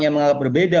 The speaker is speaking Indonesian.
yang menganggap berbeda